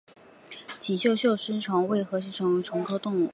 锦绣神须虫为叶须虫科双须虫属的动物。